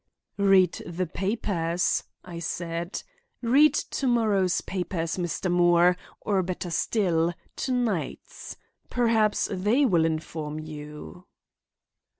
"Read the papers," I said; "read tomorrow's papers, Mr. Moore; or, better still, tonight's. Perhaps they will inform you."